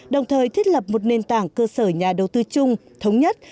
đồng thời thiết lập một nền tảng cơ sở nhà đầu tư chung thống nhất